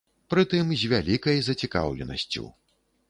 Прытым з вялікай зацікаўленасцю.